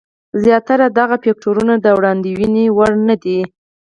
زیاتره دغه فکټورونه د وړاندوینې وړ نه دي.